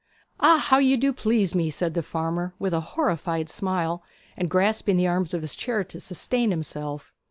'Ah! How you do please me!' said the farmer, with a horrified smile, and grasping the arms of his chair to sustain himself.